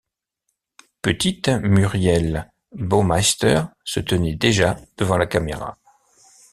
Petite, Muriel Baumeister se tenait déjà devant la caméra.